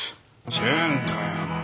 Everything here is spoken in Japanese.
チェーンかよ。